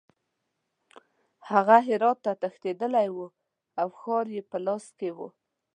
هغه هرات ته تښتېدلی وو او ښار یې په لاس کې وو.